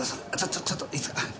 ちょちょっといいすか？